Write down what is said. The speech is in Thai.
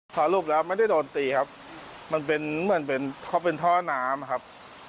สรุปแล้วไม่ได้โดนตีครับมันเป็นเหมือนเป็นเขาเป็นท่อน้ำครับ